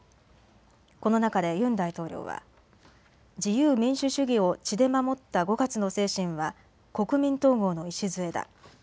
この中でユン大統領は自由民主主義を血で守った５月の精神は国民統合の礎だ。